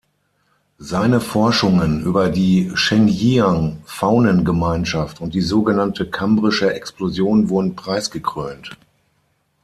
Seine Forschungen über die Chengjiang-Faunengemeinschaft und die so genannte Kambrische Explosion wurden preisgekrönt.